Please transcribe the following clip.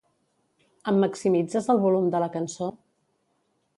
Em maximitzes el volum de la cançó?